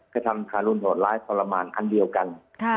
ก็จะทำฆารุณหลอดร้ายขอรรมารอันเดียวกัน